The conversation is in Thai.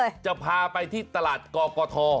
เดี๋ยวจะพาไปที่ตลาดกกท